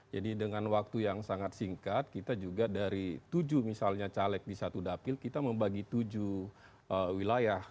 jadi dengan waktu yang sangat singkat kita juga dari tujuh misalnya caleg di satu dapil kita membagi tujuh wilayah